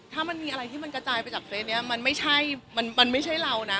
ถ้ามันมีอะไรที่มันกระจายไปจากเฟสนี้มันไม่ใช่มันไม่ใช่เรานะ